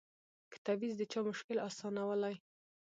که تعویذ د چا مشکل آسانولای